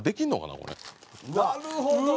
なるほど！